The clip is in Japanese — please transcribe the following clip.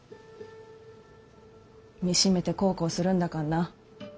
身しめて孝行するんだかんな。